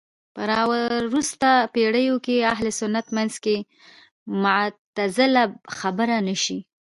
په راوروسته پېړيو کې اهل سنت منځ کې معتزله خبره نه شي